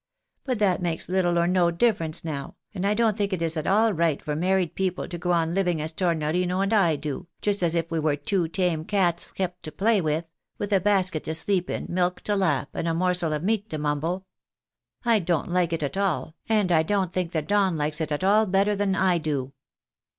But that makes httle or no difference now, and I don't think it is at all right for married people to go on living as Tornorino and I do, just as if we were two tame cats kept to play with, with a basket to sleep in, milk to lap, and a morsel of meat to mumble. I don't like it at all, and I don't think the Don likes it at all better than I do."